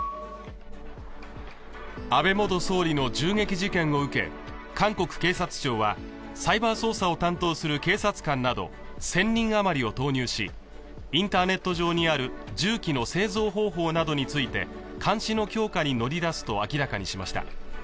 安倍元総理の銃撃事件を受け韓国警察庁は、サイバー捜査を担当する警察官など１０００人あまりを投入しインターネット上にある銃器の製造方法などについて監視の強化に乗り出すと明らかにしました。